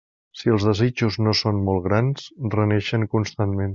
Si els desitjos no són molt grans, reneixen constantment.